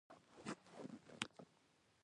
د اورګاډي ټکټ مخکې له سفره اخیستل اړین دي.